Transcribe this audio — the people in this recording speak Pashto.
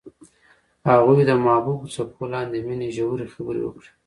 هغوی د محبوب څپو لاندې د مینې ژورې خبرې وکړې.